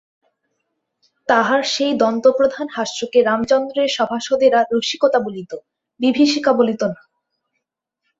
তাহার সেই দন্তপ্রধান হাস্যকে রামচন্দ্রের সভাসদেরা রসিকতা বলিত, বিভীষিকা বলিত না।